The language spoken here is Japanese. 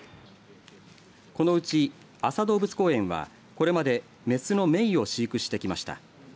このうち安佐動物公園はこれまでメスのメイを飼育してきました。